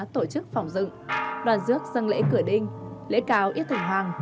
tổ chức phòng dựng đoàn dước dân lễ cửa đinh lễ cao yết thỉnh hoàng